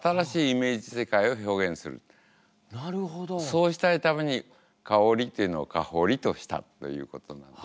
そうしたいために「かおり」っていうのを「かほり」としたということなんですね。